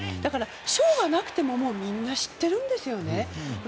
賞はなくてもみんな知ってるんですよ。